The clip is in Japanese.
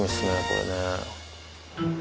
これね。